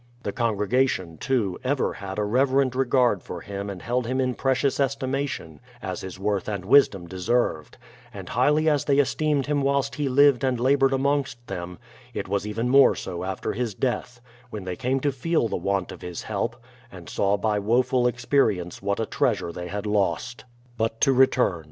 The congregation, too, ever had a reverent regard for him and held him in precious estimation, as his worth and wisdom deserved ; and highly as they es teemed him whilst he lived and laboured amongst them, it was even more so after his death, when they came to feel the want of his help, and saw by woful experience what a treasure they had lost. But to return.